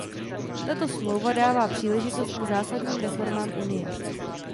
Tato smlouva dává příležitost k zásadním reformám Unie.